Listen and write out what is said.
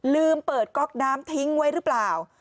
ลืมเปิดก๊อกน้ำทิ้งไว้หรือเปล่า